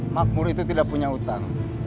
makmur itu tidak punya hutang